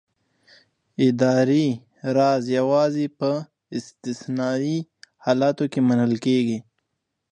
اداري راز یوازې په استثنايي حالاتو کې منل کېږي.